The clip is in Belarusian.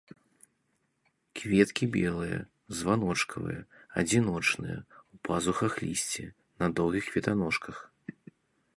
Кветкі белыя, званочкавыя, адзіночныя, у пазухах лісця, на даўгіх кветаножках.